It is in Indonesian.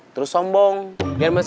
teknis itu pak